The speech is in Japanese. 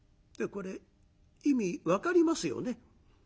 これ意味分かりますよね？